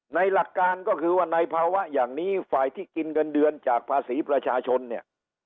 หลักการก็คือว่าในภาวะอย่างนี้ฝ่ายที่กินเงินเดือนจากภาษีประชาชนเนี่ย